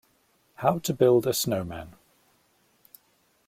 How to build a snowman.